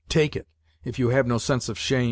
" Take it, if you have no sense of shame !